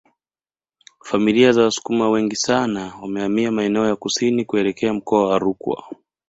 Familia za Wasukuma wengi sana wamehamia maeneo ya kusini kuelekea mkoa wa Rukwa